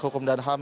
hukum dan ham